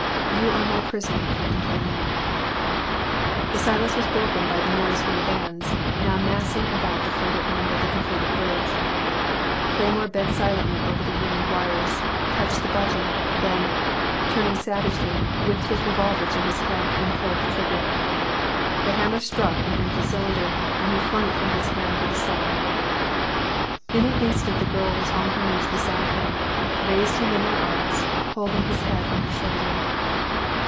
You are my prisoner, Captain Cleymore." The silence was broken by the noise from the bands, now massing about the further end of the completed bridge. Cleymore bent silently over the ruined wires, touched the button, then, turn ing savagely, whipped his revolver to his head and pulled the trigger. The hammer struck an empty cylinder, and he flung it from him with a sob. In an instant the girl was on her knees beside him, raised him in her arms, holding his head on her shoulder.